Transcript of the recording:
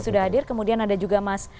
sudah hadir kemudian ada juga mas